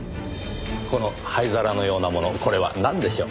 この灰皿のようなものこれはなんでしょう？